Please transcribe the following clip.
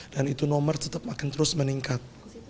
dan itu nomor tetap akan terus meningkat